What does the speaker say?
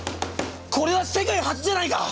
これは世界初じゃないか？